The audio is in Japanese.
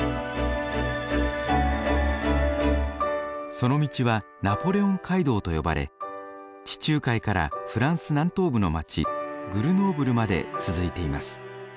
その道はナポレオン街道と呼ばれ地中海からフランス南東部の街グルノーブルまで続いています。